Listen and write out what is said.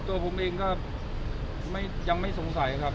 ตัวผมเองก็ยังไม่สงสัยครับ